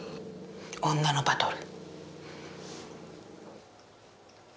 女のバトル。